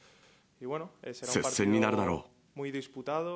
接戦になるだろう。